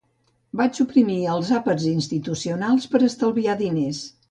Vaig suprimir els àpats institucionals per estalviar diners